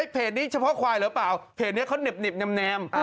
เพจนี้เฉพาะควายหรือเปล่าเพจนี้เขาเหน็บแนม